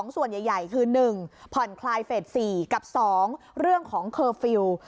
ส่วนใหญ่คือ๑ผ่อนคลายเฟส๔กับ๒เรื่องของเคอร์ฟิลล์